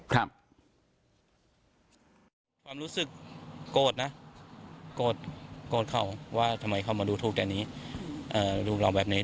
ความรู้สึกโกรธนะโกรธเขาว่าทำไมเขามาดูถูกแต่นี้ลูกเราแบบนี้